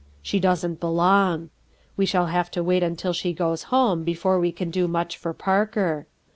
She doesn't belong. We shall have to wait until she goes home before we can do much for Parker.